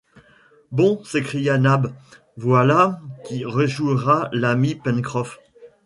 Bon! s’écria Nab, voilà qui réjouira l’ami Pencroff !